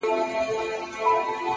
علم د انسان ذهن روښانه کوي!